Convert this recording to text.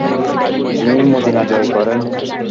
তিনি মদিনা জয় করেন।